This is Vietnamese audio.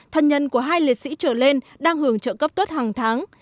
thân nhân của hai liệt sĩ trở lên đang hưởng trợ cấp tuất hàng tháng